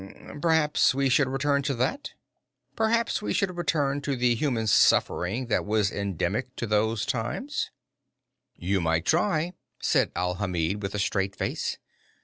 Hm m m. Perhaps we should return to that? Perhaps we should return to the human suffering that was endemic in those times?" "You might try it," said Alhamid with a straight face.